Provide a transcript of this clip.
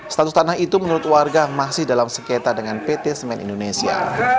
status tanah itu menurut warga masih dalam seketa dengan pt semen indonesia